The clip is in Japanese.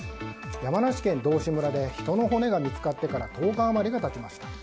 山梨県道志村で人の骨が見つかってから１０日余りが経ちました。